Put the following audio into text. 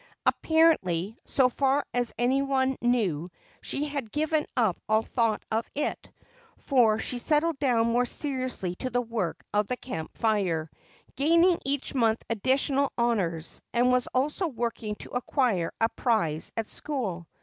Apparently, so far as any one knew, she had given up all thought of it, for she settled down more seriously to the work of the Camp Fire, gaining each month additional honors, and was also working to acquire a prize at school.